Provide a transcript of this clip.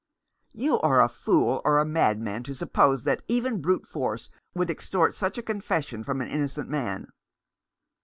" "You are a fool or a madman to suppose that even brute force would extort such a confession from an innocent man."